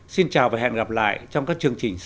xin chào và hẹn gặp lại trong các chương trình sau